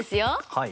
はい。